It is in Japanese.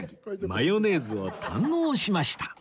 マヨネーズを堪能しました